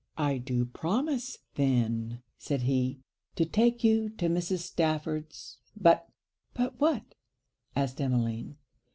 'I do promise then,' said he, 'to take you to Mrs. Stafford's; but' 'But what?' asked Emmeline.